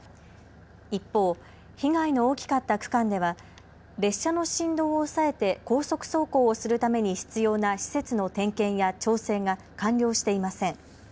一方、被害の大きかった区間では列車の振動を抑えて高速走行をするために必要な施設の点検や調整が完了していません。